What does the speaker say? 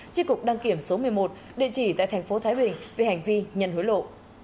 tri cục đăng kiểm số một mươi một địa chỉ tại thành phố thái bình về hành vi nhận hối lộ